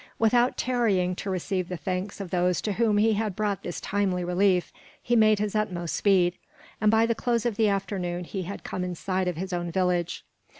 Without tarrying to receive the thanks of those to whom he had brought this timely relief, he made his utmost speed, and by the close of the afternoon he had come in sight of his own village.